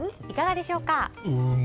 いかがでしょうか？